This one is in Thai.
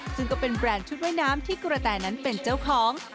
ซึ่งก็เป็นแบรนด์ชุดว่ายน้ำที่กระแตนั้นเป็นเจ้าของ